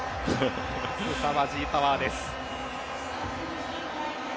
すさまじいパワーです。